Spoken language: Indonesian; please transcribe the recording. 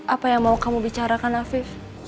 apa yang mau kamu bicarakan afif